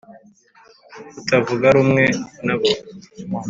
kutavuga rumwe nabo